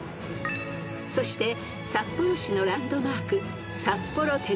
［そして札幌市のランドマーク］